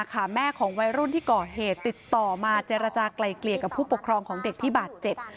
แม่ของวัยรุ่นที่ก่อเหตุติดต่อมาเจรจากลายเกลี่ยกับผู้ปกครองของเด็กที่บาดเจ็บ